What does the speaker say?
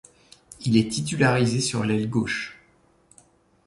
Il est titularisé sur l'aile gauche.